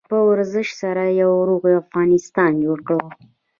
په ورزش سره یو روغ افغانستان جوړ کړو.